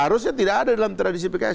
harusnya tidak ada dalam tradisi pks